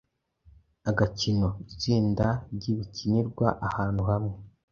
Agakino: Itsinda ry’ibikinirwa ahantu hamwe